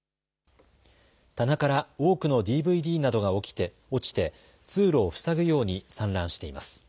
棚から多くのＤＶＤなどが落ちて通路を塞ぐように散乱しています。